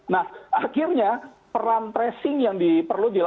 nah akhirnya peran tracing yang diperlu di